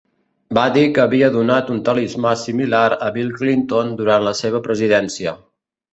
Va dir que havia donat un talismà similar a Bill Clinton durant la seva presidència.